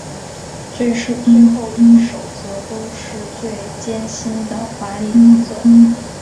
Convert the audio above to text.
最后一首则都是最艰涩的华丽变奏。